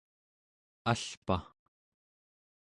alpa